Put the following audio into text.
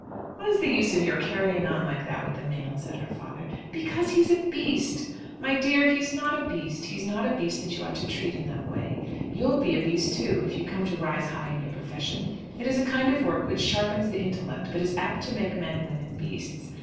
"What is the use of your carrying on like that with the man?" said her father. "Because he's a beast." "My dear, he's not a beast. He's not a beast that you ought to treat in that way. You'll be a beast too if you come to rise high in your profession. It is a kind of work which sharpens the intellect, but is apt to make men and women beasts.